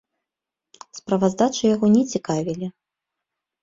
Справаздачы яго не цікавілі.